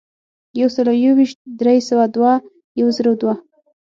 یو سلو یو ویشت ، درې سوه دوه ، یو زرو دوه.